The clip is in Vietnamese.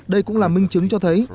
đây cũng là minh chứng cho thấy